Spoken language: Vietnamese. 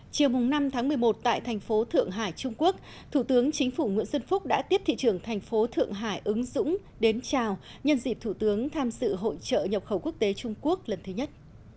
chiều năm tháng một mươi một tại thành phố thượng hải trung quốc thủ tướng chính phủ nguyễn xuân phúc đã tiếp thị trưởng thành phố thượng hải ứng dũng đến chào nhân dịp thủ tướng tham sự hội trợ nhập khẩu quốc tế trung quốc lần thứ nhất